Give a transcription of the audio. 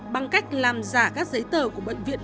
bằng cách làm giả các giấy tờ của bệnh viện